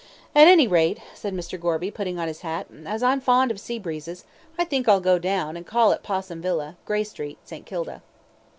At any rate," said Mr. Gorby, putting on his hat, "as I'm fond of sea breezes, I think I'll go down, and call at Possum Villa, Grey Street, St. Kilda."